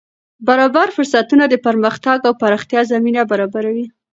برابر فرصتونه د پرمختګ او پراختیا زمینه برابروي.